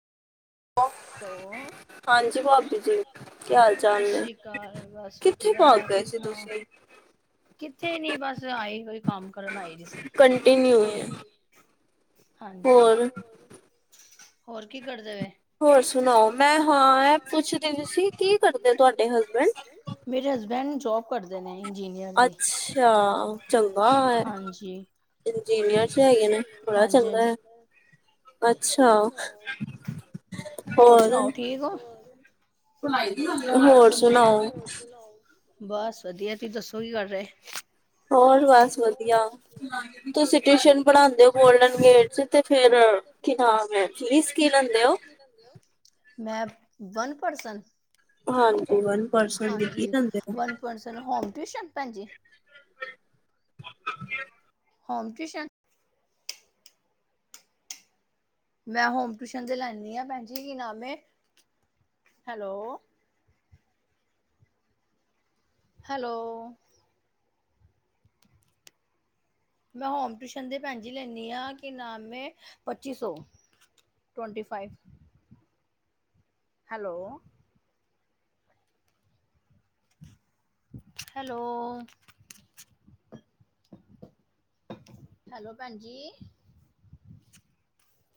Hello. ਹਾਂਜੀ ਭਾਬੀ ਜੀ ਕੀ ਹਾਲ ਚਾਲ ਸਤਿ ਨੇ ਸ੍ਰੀ ਅਕਾਲ। ਬਸ ਕਿੱਥੇ ਭਾਗ ਵਧੀਆ ਗਏ ਤੁਸੀ ਸੀ ਸੁਣਾ? ਤੁਸੀਂ ਕਿੱਥੇ ਨੀ। ਬਸ ਆਈ ਕੋਈ ਕੰਮ ਕਰਨ ਆਈ ਵੀ ਸੀ। ਤੇ ਕੰਟੀਨਿਊ ਕੋਈ ਹੈ ਹਾਂਜੀ। ਹੋਰ ਹੋਰ ਕੀ ਕਰਦੇ ਨੇ? ਹੋਰ ਸੁਣਾਓ। ਮੈਂ ਹਾਂ ਪੁੱਛਦੀ ਤੁਸੀਂ ਕੀ ਕਰਦੇ ਤੁਹਾਡੇ ਹਸਬੈਂਡ? ਮੇਰੇ ਹਸਬੈਂਡ ਜੋਬ ਕਰਦੇ ਨੇ, ਇੰਜੀਨੀਅਰ ਦੀ ਅੱਛਾ ਚੰਗਾ ਹੈ। ਹਾਂਜੀ ਇੰਜੀਨੀਅਰ ਚ ਹੈਗੇ ਨੇ, ਬੜਾ ਹਾਂਜੀ ਚੰਗਾ ਹਾਂਜੀ ਹੈ। ਅੱਛਾ ਹੋਰ। ਸੁਣਾਓ ਠੀਕ ਹੋ ਹੋਰ ਸੁਣਾਓ। ਨੇਈ ਬਸ ਵਧੀਆ ਤੁਸੀਂ ਦੱਸੋ ਕੀ ਕਰ ਰਹੇ? ਹੋਰ ਬਸ ਵਧੀਆ। ਤੁਸੀਂ ਟਿਊਸ਼ਨ ਪੜ੍ਹਾਉਦੇ ਹੋ ਗੋਲਡਨ ਗੇਟ ਚ, ਤੇ ਫੇਰ ਕੀ ਨਾਮ ਹੈ। ਫੀਸ ਕੀ ਲੈਂਦੇ ਓ। ਮੈਂ ਵਨ ਪਰਸਨ? ਹਾਂਜੀ ਵਨ ਪਰਸਨ ਦੀ ਕੀ ਹਾਂਜੀ। ਲੈਂਦੇ ਹੋ ਵਨ ਪਰਸਨ ਹੋਮ ਟਿਊਸ਼ਨ ਭੈਣਜੀ? [inaudible] Home tuition. ਮੈਂ ਹੋਮ ਟਿਊਸ਼ਨ ਤੇ ਲੈਂਦੀ ਹਾਂ ਭੈਣ ਜੀ ਕੀ ਨਾਮ ਏ, ਹੈਲੋ। ਹੈਲੋ। ਮੈਂ ਹੋਮ ਟਿਊਸ਼ਨ ਦੇ ਭੈਣ ਜੀ ਲੈਦੀ ਹਾਂ, ਕਿ ਨਾਮ ਹੈ ਪੱਚੀ ਸੌ। ਟੁਵਟੀ ਫਾਈਵ। Hello hello. ਹੈਲੋ ਭੈਣ ਜੀ।